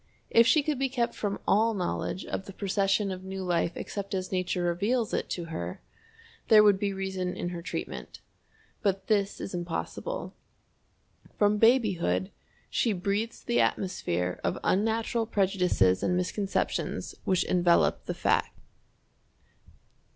If she could be kept from all knowledge of the procession of new life except as Nature reveals it to her, there would be reason in her treatment. But this is impossible. From babyhood she breathes the atmosphere of unnatural prejudices and misconceptions which envelop the fact.